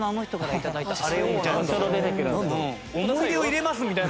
「思い出を入れます」みたいな。